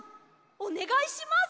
おねがいします！